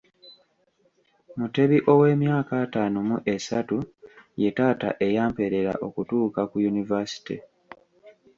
Mutebi ow’emyaka ataano mu esatu ye taata eyampeerera okutuukaku Yunivaasite.